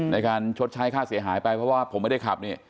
ในการชดใช้ค่าเสียหายไปเพราะว่าผมไม่ได้ขับนี่